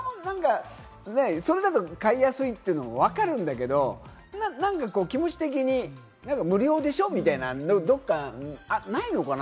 それだと買いやすいというのも分かるんだけれども、何か気持ち的に「無料でしょ」みたいな、どこかにないのかな？